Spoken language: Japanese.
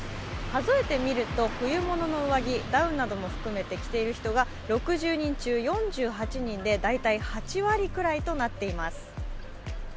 数えてみると冬物の上着ダウンなども含めて着ている人が６０人中４８人で大体８割くらいとなっています。